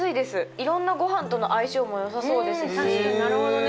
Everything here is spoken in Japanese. いろんなごはんとの相性もよさそうですしなるほどね